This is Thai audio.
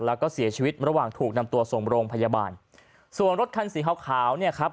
แล้วก็เสียชีวิตระหว่างถูกนำตัวส่งโรงพยาบาลส่วนรถคันสีขาวขาวเนี่ยครับ